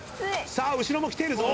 さあ後ろも来ているぞ。